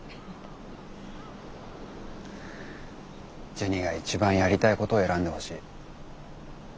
ジュニが一番やりたいことを選んでほしい。